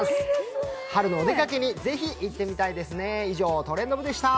春のお出かけにぜひ行ってみたいですね。